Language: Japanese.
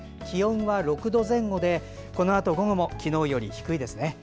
気温は６度前後でこのあと午後も昨日より低いですね。